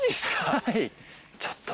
はい。